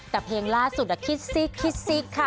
แต่เพลงล่าสุดคิดซิกคิดซิกค่ะ